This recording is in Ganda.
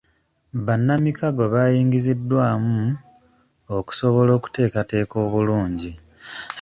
Bannamikago bayingiziddwamu okusobola okuteekateeka obulungi.